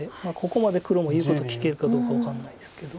ここまで黒も言うこと聞けるかどうか分かんないですけど。